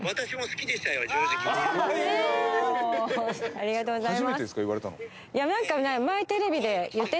ありがとうございます。